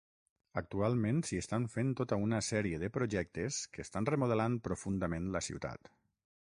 Actualment s'hi estan fent tota una sèrie de projectes que estan remodelant profundament la ciutat.